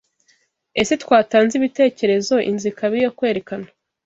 Ese twatanze ibitekerezo inzu ikaba iyo kwerekana